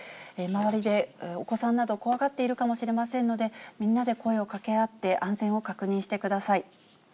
周りでお子さんなど、怖がっているかもしれませんので、みんなで声をかけ合って、安全を確認してください。